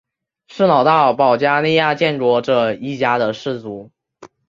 是老大保加利亚建国者一家的氏族。